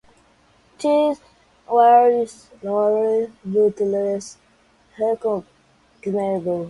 These were slower, but less recognizable.